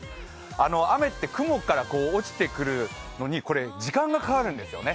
雨って雲から落ちてくるのに時間がかかるんですよね。